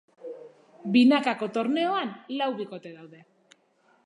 Binakako torneoan lau bikote daude.